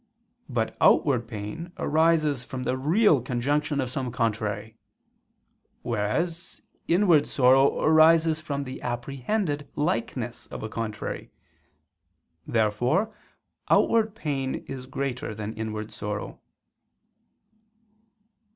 But outward pain arises from the real conjunction of some contrary; whereas inward sorrow arises from the apprehended likeness of a contrary. Therefore outward pain is greater than inward sorrow.